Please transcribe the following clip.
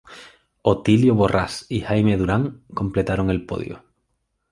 Otilio Borrás y Jaime Durán completaron el podio.